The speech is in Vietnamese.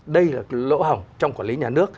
đây là lỗ hỏng trong quản lý nhà nước